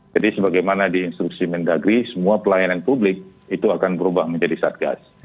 jadi sebagaimana di instruksi mendagri semua pelayanan publik itu akan berubah menjadi satgas